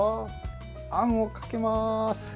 あんをかけます。